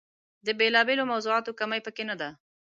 د بېلا بېلو موضوعاتو کمۍ په کې نه ده.